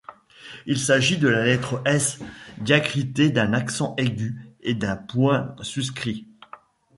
Il s’agit de la lettre S diacritée d’un accent aigu et d’un point suscrit.